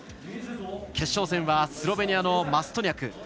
決勝戦は、スロベニアのマストニャク。